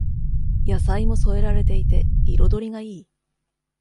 野菜も添えられていて彩りがいい